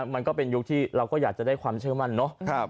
มันก็เป็นยุคที่เราก็อยากจะได้ความเชื่อมั่นเนาะ